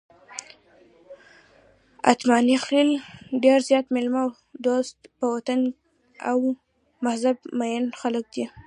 اتمانخېل ډېر زیات میلمه دوست، په وطن او مذهب مېین خلک دي.